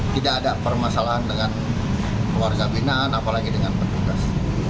tidak ada permasalahan dengan warga binaan apalagi dengan petugas